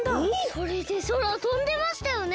それでそらをとんでましたよね？